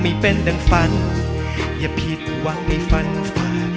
ไม่เป็นดังฝันอย่าผิดหวังในฝัน